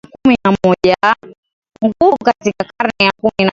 nguvu Katika karne ya kumi na moja